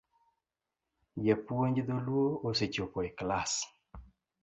Japuonj dholuo osechopo e klas